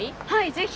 ぜひ。